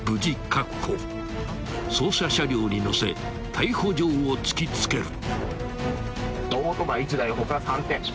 ［捜査車両に乗せ逮捕状を突き付ける］